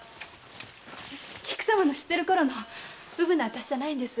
菊様の知ってるころのうぶなあたしじゃないんです。